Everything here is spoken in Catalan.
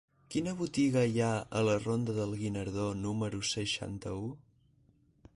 Quina botiga hi ha a la ronda del Guinardó número seixanta-u?